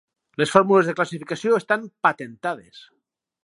Les formules de classificació estan patentades.